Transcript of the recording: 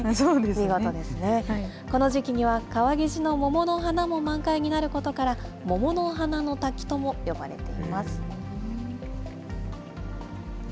この時期には、川岸の桃の花も満開になることから、桃の花の滝とも呼ばれています。